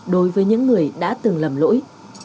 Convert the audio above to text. đối với những người đã từng lầm lỗi